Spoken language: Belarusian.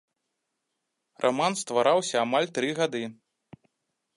Раман ствараўся амаль тры гады.